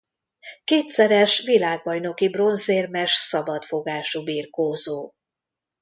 Kétszeres világbajnoki bronzérmes szabadfogású birkózó.